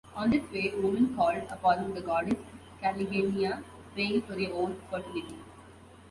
On this day, women called upon the goddess Kalligeneia, praying for their own fertility.